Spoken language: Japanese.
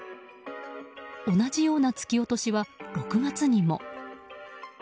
同じような突き落としは６月にも。